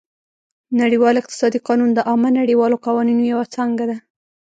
نړیوال اقتصادي قانون د عامه نړیوالو قوانینو یوه څانګه ده